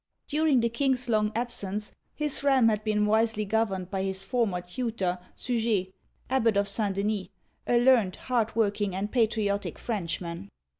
During the king's long absence, his realm had been wisely governed by his former tutor, Suger (sii zha'), abbot of St. Denis, a learned, hard working, and patriotic French man.